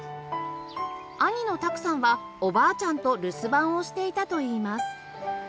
兄の拓さんはおばあちゃんと留守番をしていたといいます